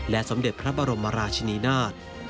และสมเด็จพระบรมราชนินาศ